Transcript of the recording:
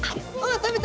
食べた！